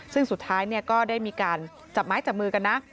ซึ่งสุดท้ายก็ได้มีการจับไม้จับมือกันนะ